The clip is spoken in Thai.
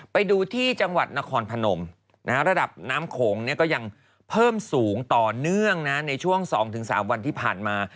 ไปดูที่จังหวัดนครพนมระดับน้ำโขงก็ยังเพิ่มสูงต่อเนื่องนะในช่วง๒๓วันที่ผ่านมา